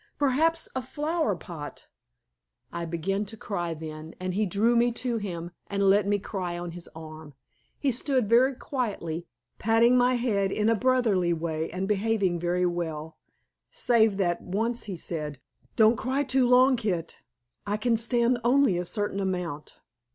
Perhaps a flower pot " I began to cry then, and he drew me to him and let me cry on his arm. He stood very quietly, patting my head in a brotherly way and behaving very well, save that once he said: "Don't cry too long, Kit; I can stand only a certain amount."